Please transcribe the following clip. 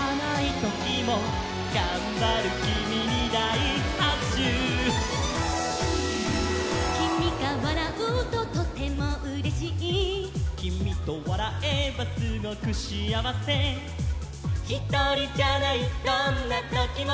「がんばるキミにだいはくしゅ」「キミがわらうととてもうれしい」「キミとわらえばすごくしあわせ」「ひとりじゃないどんなときも」